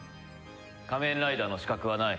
仮面ライダーの資格はない。